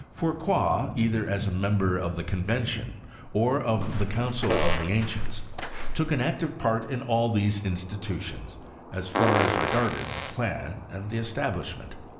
JFourcroy, either as a member of the Convention or of the Council of the Ancients , took an active part in all these institutions, as far as regarded the {^an and the establishment.